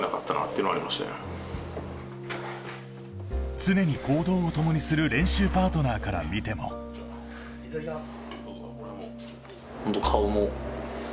常に行動をともにする練習パートナーから見てもいただきます